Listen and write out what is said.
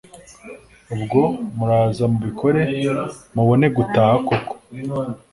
Ubwo muraza mubikore mubone gutaha koko